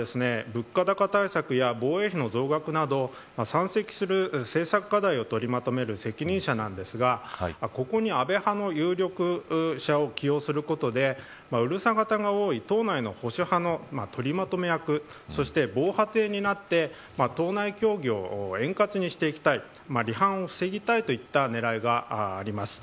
物価高対策や防衛費の増額など山積する政策課題を取りまとめる責任者なんですがここに安倍派の有力者を起用することで党内の保守派の取りまとめ役そして防波堤になって党内協議を円滑にしていきたい離反を防ぎたいといった狙いがあります。